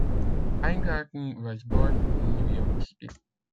Weingarten was born in New York City.